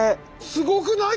すごくない？